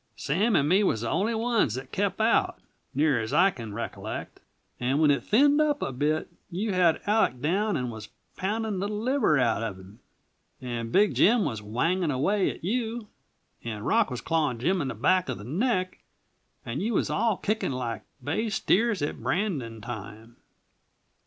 Sam and me was the only ones that kept out, near as I can recollect, and when it thinned up a bit, you had Aleck down and was pounding the liver outa him, and Big Jim was whanging away at you, and Rock was clawin' Jim in the back of the neck, and you was all kickin' like bay steers in brandin' time.